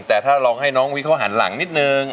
แต่ถ้าลองให้น้องวิเขาหันหลังนิดนึง